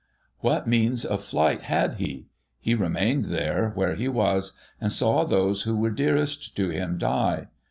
What means of flight had he? He remained there, where he was, and saw those who were dearest to him die.